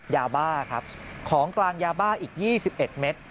ยาบ้าครับของกลางยาบ้าอีก๒๑เมตร